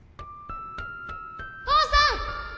父さん！